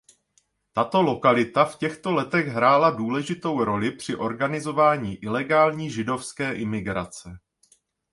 Tato lokalita v těchto letech hrála důležitou roli při organizování ilegální židovské imigrace.